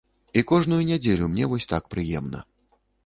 І кожную нядзелю мне вось так прыемна.